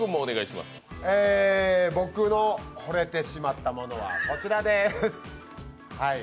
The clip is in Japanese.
僕の惚れてしまったものは、こちらです。